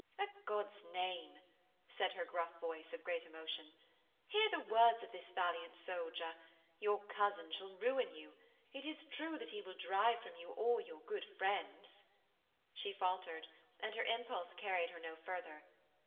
'A' God's name,' said her gruff voice of great emotion, 'hear the words of this valiant soldier. Your cousin shall ruin you. It is true that he will drive from you all your good friends....' She faltered, and her impulse carried her no further.